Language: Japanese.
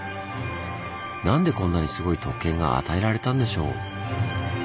なんでこんなにすごい特権が与えられたんでしょう？